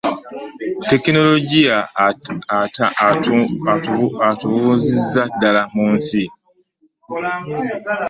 tekinologiya atumbuzizza ddala ensi